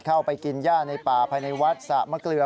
เข้าไปกินย่าในป่าภายในวัดสะมะเกลือ